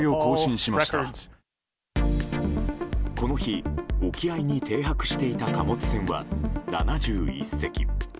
この日、沖合に停泊していた貨物船は７１隻。